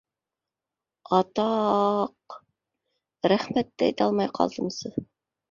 Ата-аҡ... рәхмәт тә әйтә алмай ҡалдымсы?